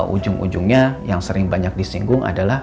ujung ujungnya yang sering banyak disinggung adalah